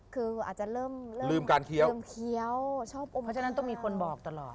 คืออาจจะเริ่มการเคี้ยวเพราะฉะนั้นต้องมีคนบอกตลอด